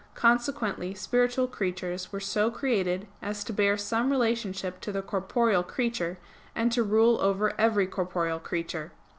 Consequently spiritual creatures were so created as to bear some relationship to the corporeal creature, and to rule over every corporeal creature.